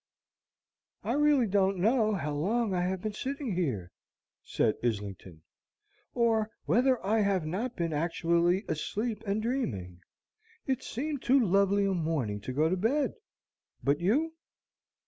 "I don't really know how long I have been sitting here," said Islington, "or whether I have not been actually asleep and dreaming. It seemed too lovely a morning to go to bed. But you?"